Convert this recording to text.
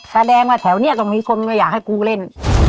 แสดงว่าแถวนี้ต้องมีคนก็อยากให้กูเล่น